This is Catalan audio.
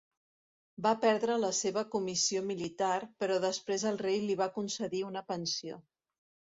Va perdre la seva comissió militar, però després el rei li va concedir una pensió.